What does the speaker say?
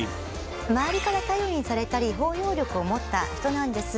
周りから頼りにされたり包容力を持った人なんですが。